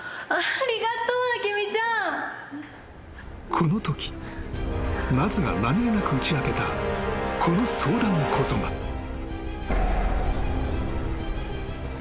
［このとき奈津が何げなく打ち明けたこの相談こそが］ああ。